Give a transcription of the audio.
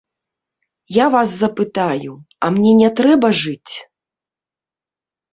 Я вас запытаю, а мне не трэба жыць?